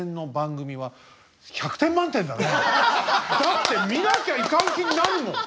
だって見なきゃいかん気になるもん。